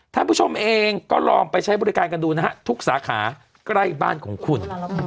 ท่านผู้ชมเองก็ลองไปใช้บริการกันดูนะฮะทุกสาขาใกล้บ้านของคุณ